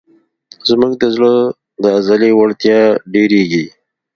زموږ د زړه د عضلې وړتیا ډېرېږي.